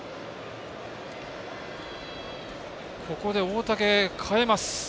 ここで大竹、代えます。